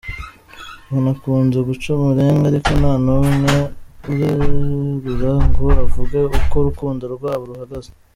Banakunze guca amarenga ariko nta n’umwe urerura ngo avuge uko urukundo rwabo ruhagaze.